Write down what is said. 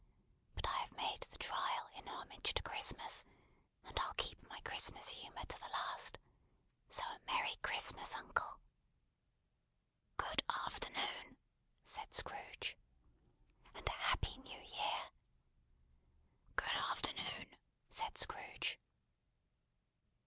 But I have made the trial in homage to Christmas, and I'll keep my Christmas humour to the last. So A Merry Christmas, uncle!" "Good afternoon!" said Scrooge. "And A Happy New Year!" "Good afternoon!" said Scrooge.